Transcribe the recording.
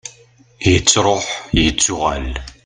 yettruḥ yettuɣal